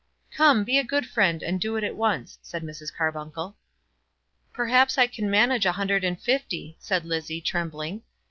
"Come, be a good friend and do it at once," said Mrs. Carbuncle. "Perhaps I can manage a hundred and fifty," said Lizzie, trembling.